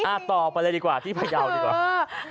ต่อไปเลยดีกว่าที่พยาวดีกว่า